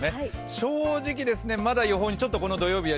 正直、まだ予報にちょっと土曜日よ